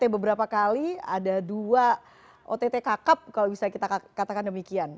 beberapa kali ada dua ott kakap kalau bisa kita katakan demikian